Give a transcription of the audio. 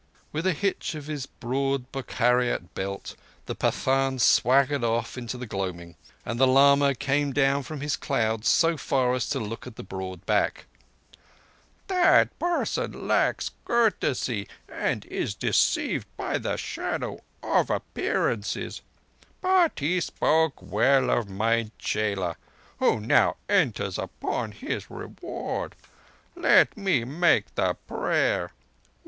With a hitch of his broad Bokhariot belt the Pathan swaggered off into the gloaming, and the lama came down from his clouds so far as to look at the broad back. "That person lacks courtesy, and is deceived by the shadow of appearances. But he spoke well of my chela, who now enters upon his reward. Let me make the prayer!